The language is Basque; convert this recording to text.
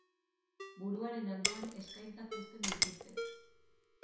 Buruaren alboan eskaintzak uzten dituzte.